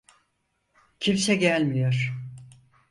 Kimse gelmiyor.